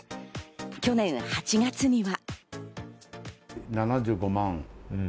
去年８月には。